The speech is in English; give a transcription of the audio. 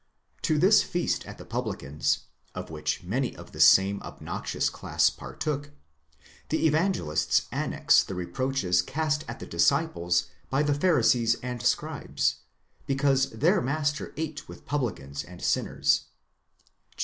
To this feast at the publican's, of which many of the same obnoxious class partook, the Evangelists annex the reproaches cast at the disciples by the Pharisees and Scribes, because their master ate with publicans and sinners.